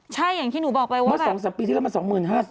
ใช่อย่างที่หนูบอกไปว่าเมื่อ๒๓ปีที่แล้วมัน๒๕๐